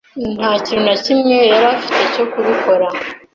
nta kintu na kimwe yari afite cyo kubikora.